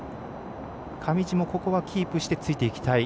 上地もここはキープしてついていきたい